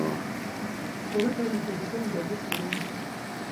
Bw'oba toli mukugu toyinza kubisobola.